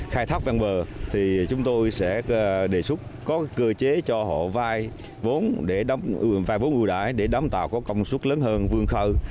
khai thác vang bờ thì chúng tôi sẽ đề xuất có cơ chế cho họ vai vốn vũ đại để đám tàu có công suất lớn hơn vương khẩu